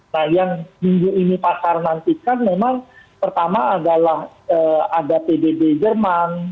nah yang minggu ini pasar nantikan memang pertama adalah ada pbb jerman